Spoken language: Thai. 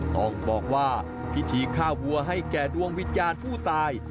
ต้องบอกว่าพิธีฆ่าวัวให้แก่ดวงวิญญาณผู้ตาย